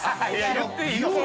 言っていいの？